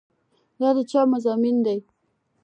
دا چې مضامين دي